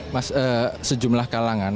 mas sejumlah kalangan